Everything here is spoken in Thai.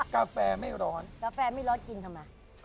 กาแฟไม่ร้อนกาแฟไม่ร้อนกินทำไม